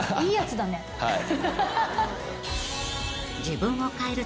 はい。